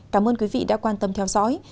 cảm ơn quý vị đã quan tâm theo dõi